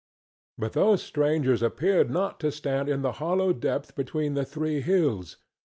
But those strangers appeared not to stand in the hollow depth between the three hills.